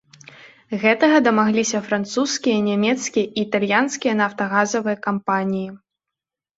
Гэтага дамагліся французскія, нямецкія і італьянскія нафтагазавыя кампаніі.